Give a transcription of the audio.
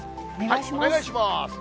お願いします。